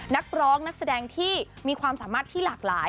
นักร้องนักแสดงที่มีความสามารถที่หลากหลาย